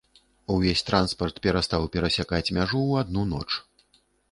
Увесь транспарт перастаў перасякаць мяжу ў адну ноч.